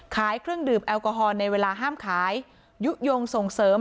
เครื่องดื่มแอลกอฮอล์ในเวลาห้ามขายยุโยงส่งเสริม